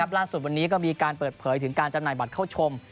ล่าสุดวันนี้ก็มีการเปิดเผยจากข้าวชม